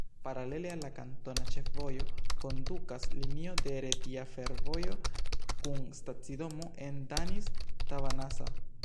Paralele al la kantona ĉefvojo kondukas linio de Retia Fervojo kun stacidomo en Danis-Tavanasa.